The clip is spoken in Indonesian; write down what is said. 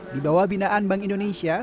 di bawah binaan bank indonesia